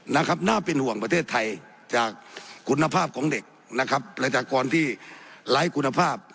น่าเป็นห่วงประเทศไทยจากคุณภาพของเด็กนะครับประชากรที่ไร้คุณภาพ